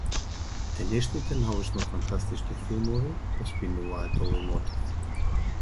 Денешните научно-фантастични филмови го спинуваат овој мотив.